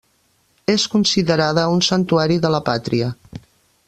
És considerada un Santuari de la pàtria.